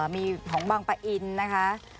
มีของบางปะอินนะคะ